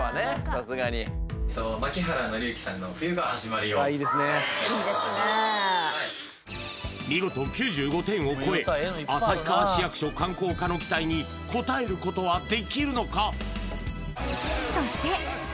さすがに槇原敬之さんの「冬がはじまるよ」を見事９５点を超え旭川市役所観光課の期待に応えることはできるのか？